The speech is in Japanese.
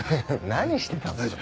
何してたの？